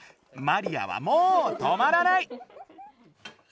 マリアはもう止まらない！